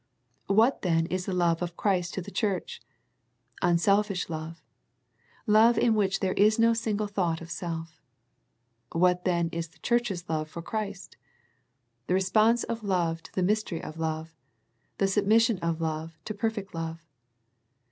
What then is the love of Christ to the Church? Unselfish love, love in which there was no single thought of self. What then is the Church's love for Christ? The response of love 'to the mystery of love, the submission of love to perfect love.